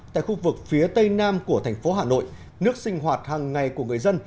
tại khu vực phía tây nam của thành phố hà nội nước sinh hoạt hàng ngày của người dân